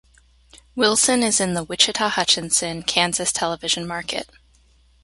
Wilson is in the Wichita-Hutchinson, Kansas television market.